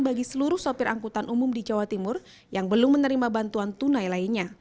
bagi seluruh sopir angkutan umum di jawa timur yang belum menerima bantuan tunai lainnya